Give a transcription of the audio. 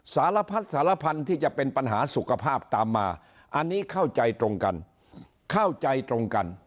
สารพันธุ์ที่จะเป็นปัญหาสุขภาพตามมาอันนี้เข้าใจตรงกัน